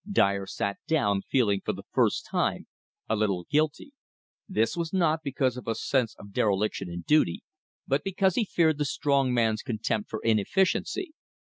Dyer sat down, feeling, for the first time, a little guilty. This was not because of a sense of a dereliction in duty, but because he feared the strong man's contempt for inefficiency.